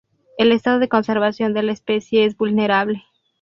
El estado de conservación de la especie es vulnerable.